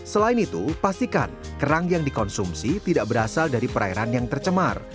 selain itu pastikan kerang yang dikonsumsi tidak berasal dari perairan yang tercemar